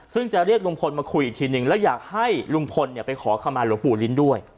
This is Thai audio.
ซึ่งจะเรียกลุงพลมาคุยอีกทีนึงแล้วอยากให้ลุงพลไปขอคำมาหลวงปู่ลิ้นด้วย